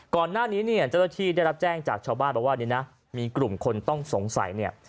ก่อนหน้านี้เจ้าหน้าที่ได้รับแจ้งจากชาวบ้านว่ามีกลุ่มคนต้องสงสัย